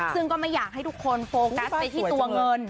ซึ่งก็ไม่อยากให้ทุกคนโฟกัสไปที่ตัวเงิน